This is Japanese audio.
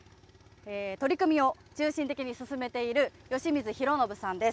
取り組みを中心的に進めている吉水啓展さんです。